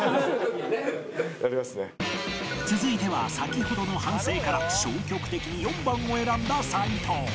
続いては先ほどの反省から消極的に４番を選んだ齊藤